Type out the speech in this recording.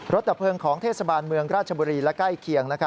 ดับเพลิงของเทศบาลเมืองราชบุรีและใกล้เคียง